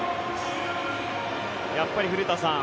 やっぱり古田さん